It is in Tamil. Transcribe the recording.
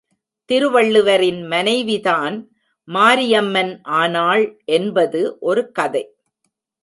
திருவள்ளுவரின் மனைவிதான் மாரியம்மன் ஆனாள் என்பது ஒரு கதை.